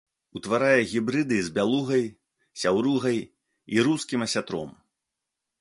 Утварае гібрыды з бялугай, сяўругай і рускім асятром.